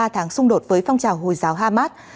tháng xung đột với phong trào hồi giáo hamas